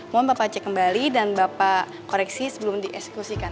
mohon bapak cek kembali dan bapak koreksi sebelum dieksekusikan